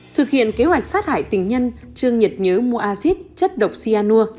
thực hiện kế hoạch sát hại tình nhân trương nhật nhớ mua acid chất độc cyanur